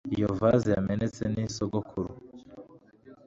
Iyo vase yamenetse ni sogokuru.